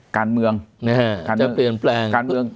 การเมือง